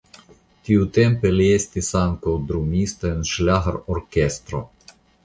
Tiutempe li estis ankaŭ drumisto en ŝlagrorkestro.